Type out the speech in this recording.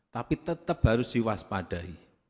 tapi tetap harus diwaspadai